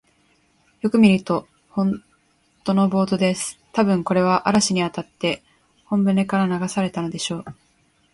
よく見ると、ほんとのボートです。たぶん、これは嵐にあって本船から流されたのでしょう。